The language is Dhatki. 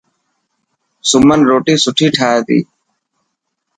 سمن روٽي سٺي ٺاهي تي.